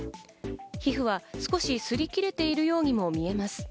皮膚は少し擦り切れているようにも見えます。